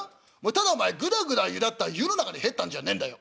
ただお前ぐだぐだゆだった湯の中に入ったんじゃねえんだよ。